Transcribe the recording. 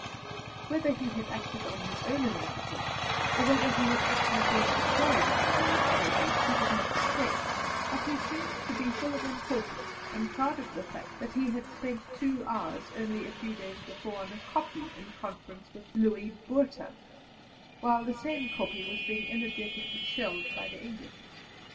Whether he had acted on his own initiative, or whether he had actually been employed by the authorities, he did not state; but he seemed to be full of importance, and proud of the fact that he had spent two hours only a few days before on a kopje in conference with Louis Botha, while the same kopje was being energetically shelled by the English.